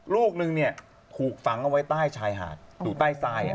ลูกนึงถูกฝังเอาไว้ใต้ชายหาดอยู่ใต้ทราย